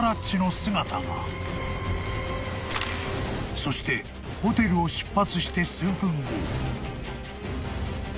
［そしてホテルを出発して数分後］